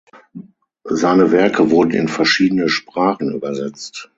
Seine Werke wurden in verschiedene Sprachen übersetzt.